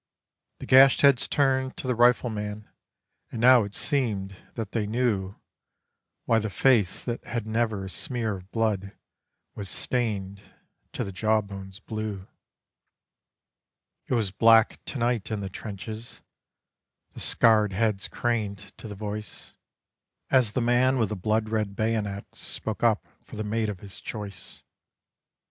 The gashed heads turned to the Rifleman, and now it seemed that they knew Why the face that had never a smear of blood was stained to the jawbones blue. "It was black to night in the trenches." The scarred heads craned to the voice, As the man with the blood red bayonet spoke up for the mate of his choice.